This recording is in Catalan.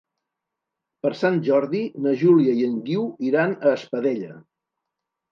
Per Sant Jordi na Júlia i en Guiu iran a Espadella.